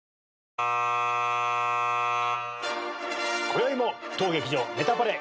こよいも当劇場『ネタパレ』